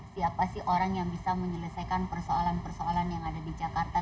siapa sih orang yang bisa menyelesaikan persoalan persoalan yang ada di jakarta